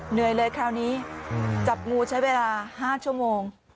เหนื่อยเลยคราวนี้จับงูใช้เวลา๕ชั่วโมง